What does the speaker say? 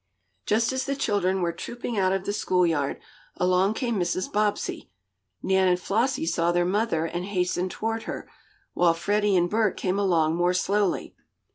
Just as the children were trooping out of the school yard, along came Mrs. Bobbsey. Nan and Flossie saw their mother and hastened toward her, while Freddie and Bert came along more slowly.